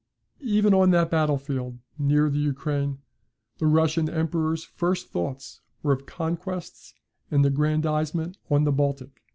Even on that battle field, near the Ukraine, the Russian emperor's first thoughts were of conquests and aggrandisement on the Baltic.